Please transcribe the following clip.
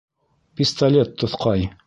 Пистолет тоҫҡай.